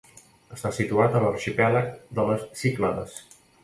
Està situat a l'arxipèlag de les Cíclades.